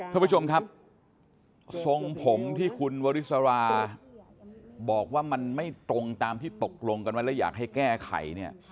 ท่านผู้ชมครับทรงผมที่คุณวริสราบอกว่ามันไม่ตรงตามที่ตกลงกันไว้แล้วอยากให้แก้ไขเนี่ย